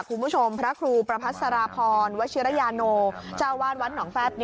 คุณผู้ชมพระครูประพัทธราพรวัชิราญาโนจาวาลวัดหนองแฟพ